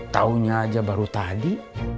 taunya aja baru tadi